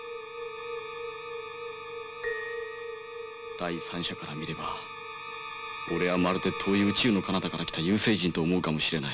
第三者から見れば俺はまるで遠い宇宙のかなたから来た遊星人と思うかもしれない。